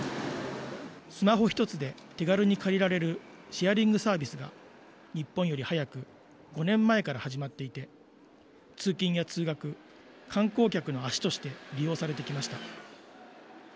スマホ１つで、手軽に借りられるシェアリングサービスが、日本より早く５年前から始まっていて、通勤や通学、観光客の足として利用されてきました。